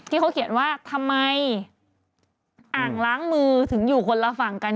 ที่เขาเขียนว่าทำไมอ่างล้างมือถึงอยู่คนละฝั่งกัน